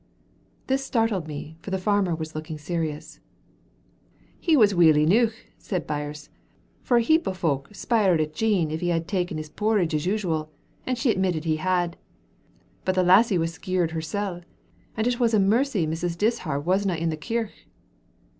This startled me, for the farmer was looking serious. "He was weel eneuch," said Birse, "for a heap o' fowk spiered at Jean if he had ta'en his porridge as usual, and she admitted he had. But the lassie was skeered hersel', and said it was a mercy Mrs. Dishart wasna in the kirk."